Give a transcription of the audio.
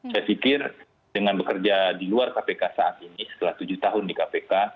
saya pikir dengan bekerja di luar kpk saat ini setelah tujuh tahun di kpk